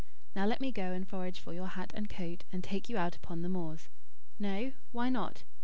Now let me go and forage for your hat and coat, and take you out upon the moors. No? Why not?